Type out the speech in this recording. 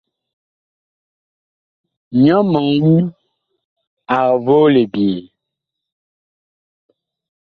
Nyɔ mɔɔn ag voo libyee.